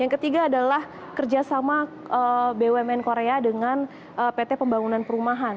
yang ketiga adalah kerjasama bumn korea dengan pt pembangunan perumahan